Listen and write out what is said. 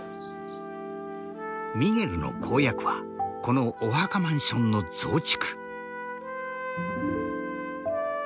ミゲルの公約はこのお墓マンションの増築。